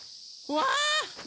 わあ！